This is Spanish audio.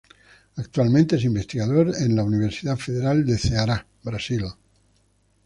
Actualmente es investigador en la Universidad Federal de Ceará, Brasil.